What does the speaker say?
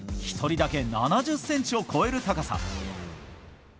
１人だけ７０ｃｍを超える高さ。